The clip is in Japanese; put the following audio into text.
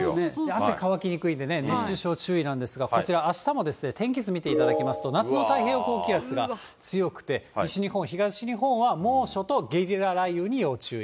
汗乾きにくいんでね、熱中症注意なんですが、こちら、あしたも天気図見ていただきますと、夏の太平洋高気圧が強くて、西日本、東日本は猛暑とゲリラ雷雨に要注意。